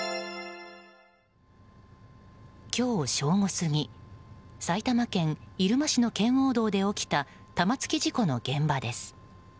今日正午過ぎ埼玉県入間市の圏央道で起きた玉突き事故の現場です。